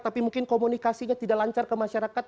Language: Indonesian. tapi mungkin komunikasinya tidak lancar ke masyarakat